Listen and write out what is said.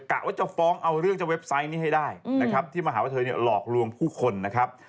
กะว่าจะฟ้องเอาเรื่องใช้เว็บไซต์นี้ให้ได้ที่มหาว่าเธอหลอกลวงผู้คนนะครับ